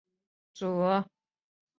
诸部大人请贺讷兄弟举拓跋圭为主。